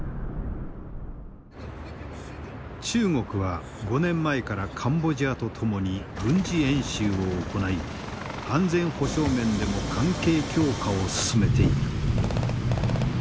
中国は５年前からカンボジアと共に軍事演習を行い安全保障面でも関係強化を進めている。